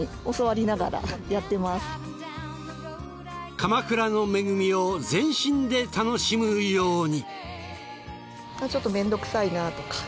鎌倉の恵みを全身で楽しむように。